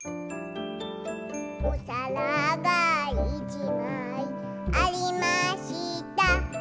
「おさらがいちまいありました」